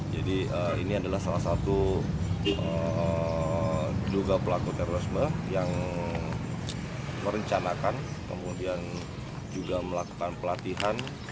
jadi ini adalah salah satu juga pelaku teroris yang merencanakan kemudian juga melakukan pelatihan